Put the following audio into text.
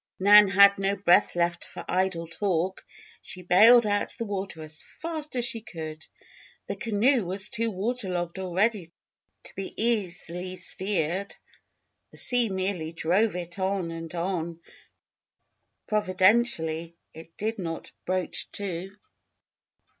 Nan had no breath left for idle talk. She bailed out the water as fast as she could. The canoe was too water logged already to be easily steered. The sea merely drove it on and on; providentially it did not broach to.